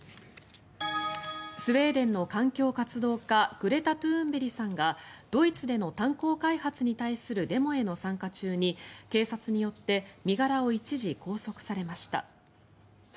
スウェーデンの環境活動家グレタ・トゥーンベリさんがドイツでの炭鉱開発に対するデモへの参加中に警察によって身柄を一時拘束されました。